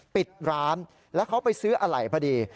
ปิดร้านแล้วเขาไปซื้ออะไหล่พอดี